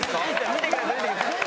見てください。